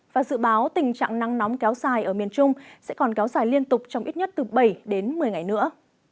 và dự báo tình trạng nắng nóng kéo dài ở miền trung sẽ còn kéo dài liên tục trong ít nhất từ bảy đến một mươi ngày nữa